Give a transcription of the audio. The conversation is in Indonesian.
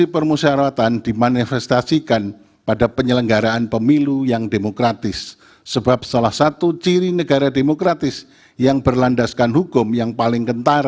pertama dianggap telah dibacakan